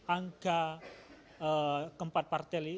angka keempat partai